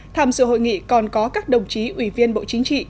tham dự hội nghị còn có các đồng chí ủy viên bộ chính trị